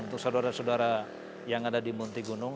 untuk saudara saudara yang ada di munti gunung